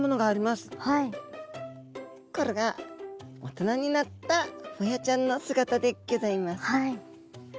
これが大人になったホヤちゃんの姿でギョざいます。